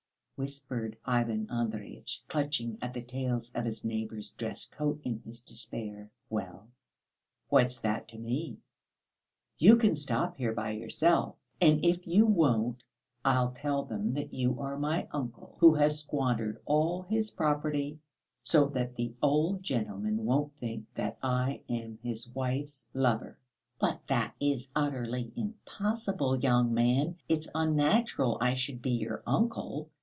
whispered Ivan Andreyitch, clutching at the tails of his neighbour's dress coat in his despair. "Well, what's that to me? You can stop here by yourself. And if you won't, I'll tell them that you are my uncle, who has squandered all his property, so that the old gentleman won't think that I am his wife's lover." "But that is utterly impossible, young man; it's unnatural I should be your uncle.